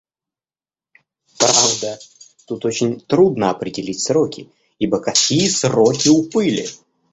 Правда, тут очень трудно определить сроки, ибо какие сроки у пыли?